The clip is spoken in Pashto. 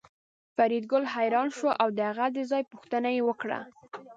فریدګل حیران شو او د هغه د ځای پوښتنه یې وکړه